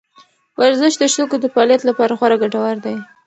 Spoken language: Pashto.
ورزش د سږو د فعالیت لپاره خورا ګټور دی.